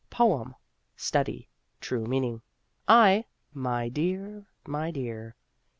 Poem study true meaning. I (my dear, my dear